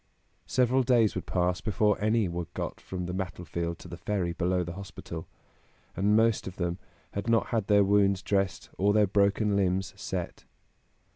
Several days would pass before any were got from the battlefield to the ferry below the hospital, and most of them had not had their wounds dressed or their broken limbs set.